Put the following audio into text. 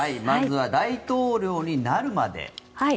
まずは大統領になるまで。